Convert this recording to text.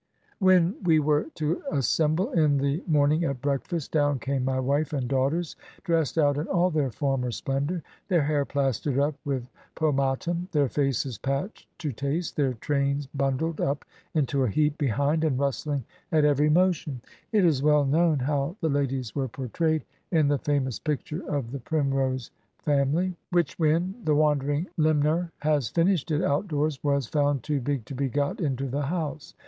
When we were to assemble in the morning at breakfast, down came my wife and daughters dressed out in all their former splendor: their hair plastered up with po matum, their faces patched to taste, their trains bundled up into a heap behind, and rustling at every motion." 7 Digitized by VjOOQIC HEROINES OF FICTION It is well known how the ladies were portrayed in the famous picture of the Primrose family, which, when the wandering limner had finished it out doors, was found too big to be got into the house.